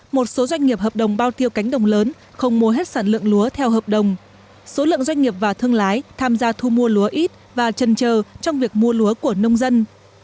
một số doanh nghiệp hợp đồng bao tiêu cánh đồng lớn không mua hết sản lượng lúa theo hợp đồng số lượng doanh nghiệp và thương lái tham gia thu mua lúa ít và chân trời trong việc mua lúa của nông dân